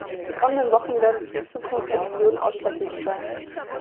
Die kommenden Wochen werden für die Zukunft der Union ausschlaggebend sein.